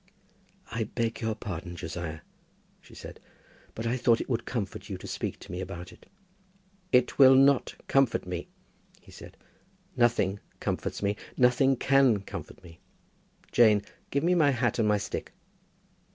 "I beg your pardon, Josiah," she said, "but I thought it would comfort you to speak to me about it." "It will not comfort me," he said. "Nothing comforts me. Nothing can comfort me. Jane, give me my hat and my stick."